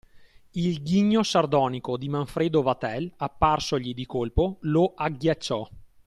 Il ghigno sardonico di Manfredo Vatel, apparsogli di colpo, lo agghiacciò.